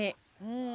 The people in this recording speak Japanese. うん。